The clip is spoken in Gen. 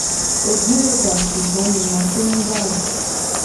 Eji le ja sugbo, nye ma teng va o.